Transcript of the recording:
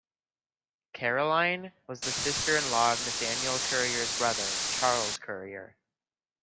Caroline was the sister-in-law of Nathaniel Currier's brother, Charles Currier.